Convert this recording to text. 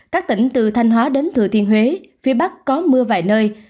các tỉnh từ thanh hóa đến thừa thiên huế phía bắc có mưa vài nơi